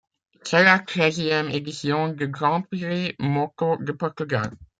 C'est la treizième édition du Grand Prix moto du Portugal.